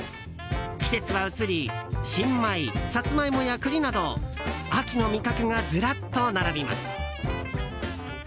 季節は移り、新米サツマイモやクリなど秋の味覚がずらっと並びます。